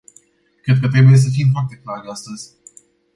Cred că trebuie să fim foarte clari astăzi.